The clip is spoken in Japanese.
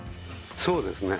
そうですね。